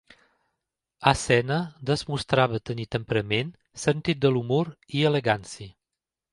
A escena demostrava tenir temperament, sentit de l’humor i elegància.